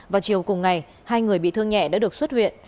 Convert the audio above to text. vào chiều cùng ngày hai người bị thương nhẹ đã được xuất viện